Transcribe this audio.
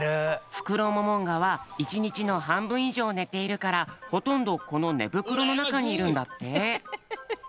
フクロモモンガは１にちのはんぶんいじょうねているからほとんどこのねぶくろのなかにいるんだって。